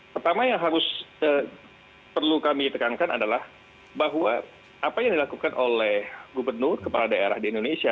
pertama yang harus perlu kami tekankan adalah bahwa apa yang dilakukan oleh gubernur kepala daerah di indonesia